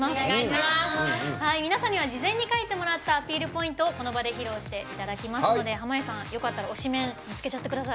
皆さんには事前に書いてもらったアピールポイントでこの場で披露していただきますので濱家さん、よかったら推しメン見つけちゃってください。